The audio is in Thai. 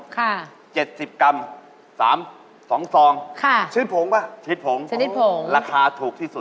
ค่ะ๗๐กรัมสองซองชิ้นผงป่ะชิ้นผงราคาถูกที่สุด